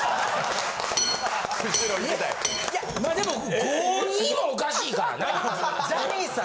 いやでも５：２はおかしいからな。